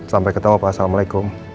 sampai ketemu pak assalamualaikum